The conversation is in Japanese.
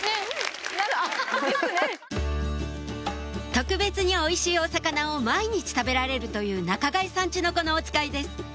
特別においしいお魚を毎日食べられるという仲買さんちの子のおつかいです